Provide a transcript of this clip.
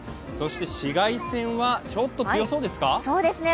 紫外線はちょっと強そうですか。